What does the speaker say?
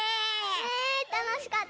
ねえたのしかったね！